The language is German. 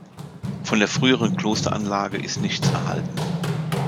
Von der früheren Klosteranlage ist nichts erhalten.